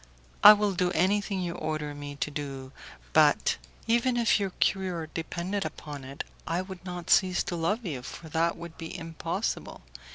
I will do anything you order me to do, but, even if your cure depended upon it, I would not cease to love you, for that would be impossible.